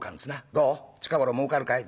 近頃もうかるかい？」。